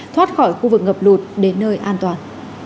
thoát khỏi khu vực ngập lụt đến nơi an toàn